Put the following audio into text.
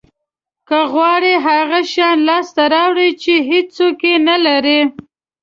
که غواړی هغه شیان لاسته راوړی چې هیڅوک یې نه لري